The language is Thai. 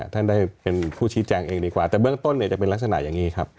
ท่านได้เป็นผู้ชี้แจงเองดีกว่าแต่เบื้องต้นเนี่ยจะเป็นลักษณะอย่างนี้ครับ